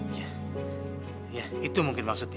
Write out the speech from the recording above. iya iya itu mungkin maksudnya